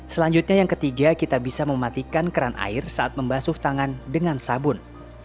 selanjutnya yang ketiga kita bisa mematikan keran air saat membasuh tangan dengan sabun